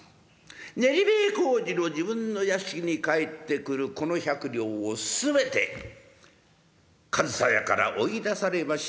練塀小路の自分の屋敷に帰ってくるこの百両を全て上総屋から追い出されました